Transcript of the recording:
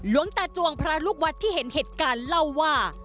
หลวงตาจวงพระลูกวัดที่เห็นเหตุการณ์เล่าว่า